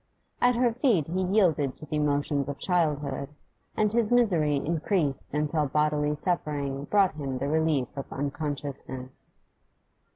At her feet he yielded to the emotions of childhood, and his misery increased until bodily suffering brought him the relief of unconsciousness.